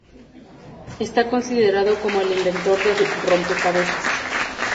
Está considerado como el inventor del rompecabezas.